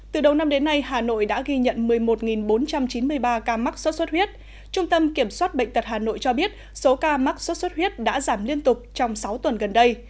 từ đầu năm đến nay hà nội đã ghi nhận một mươi một bốn trăm chín mươi ba ca mắc sốt xuất huyết trung tâm kiểm soát bệnh tật hà nội cho biết số ca mắc sốt xuất huyết đã giảm liên tục trong sáu tuần gần đây